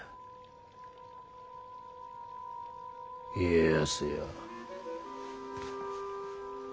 家康よ。